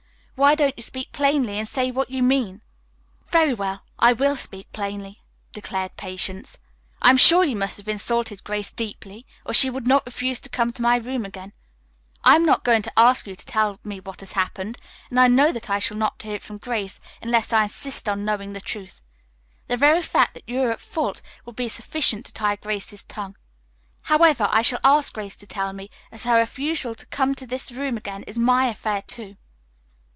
"Why don't you speak plainly and say what you mean?" "Very well, I will speak plainly," declared Patience. "I am sure you must have insulted Grace deeply or she would not refuse to come to my room again. I am not going to ask you to tell me what has happened, and I know that I shall not hear it from Grace unless I insist on knowing the truth. The very fact that you are at fault will be sufficient to tie Grace's tongue. However, I shall ask Grace to tell me, as her refusal to come to this room again, is my affair, too."